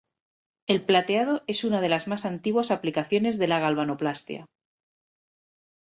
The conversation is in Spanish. El plateado es una de las más antiguas aplicaciones de la galvanoplastia.